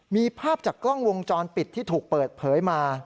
มีภาพจากกล้องวงจรปิดที่ถูกเปิดเผยมา